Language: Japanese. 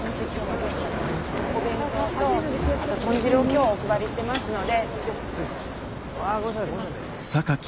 お弁当とあと豚汁を今日お配りしてますので。